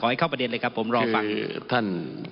ให้เข้าประเด็นเลยครับผมรอฟังท่าน